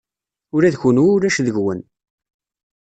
Ula d kunwi ulac deg-wen.